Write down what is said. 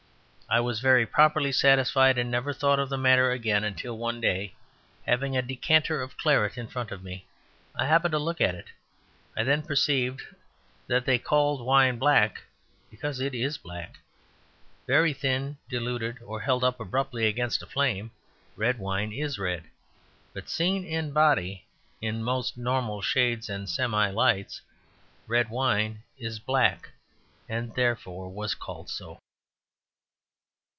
I was very properly satisfied, and never thought of the matter again; until one day, having a decanter of claret in front of me, I happened to look at it. I then perceived that they called wine black because it is black. Very thin, diluted, or held up abruptly against a flame, red wine is red; but seen in body in most normal shades and semi lights red wine is black, and therefore was called so.